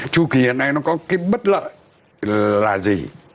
chu kỳ hiện nay nó có cái bất lợi là gì